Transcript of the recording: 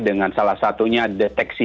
dengan salah satunya deteksi